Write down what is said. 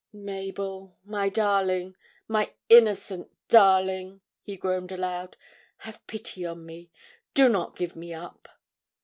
'Mabel, my darling my innocent darling!' he groaned aloud, 'have pity on me do not give me up!'